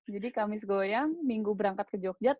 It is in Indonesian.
jadi kamis goyang minggu berangkat ke jogja